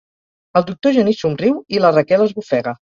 El doctor Genís somriu i la Raquel esbufega.